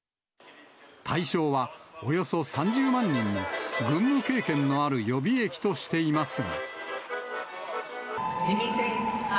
対象は、およそ３０万人の軍務経験のある予備役としていますが。